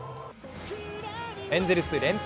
エンゼルス連敗